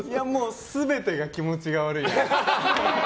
全てが気持ちが悪いです。